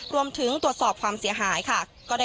รวมถึงตรวจสอบความเสียหายค่ะ